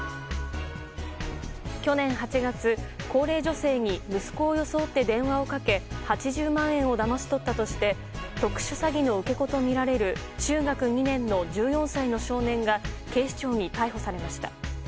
去年８月、高齢女性に息子を装って電話をかけ８０万円をだまし取ったとして特殊詐欺の受け子とみられる中学２年の１４歳の少年が警視庁に逮捕されました。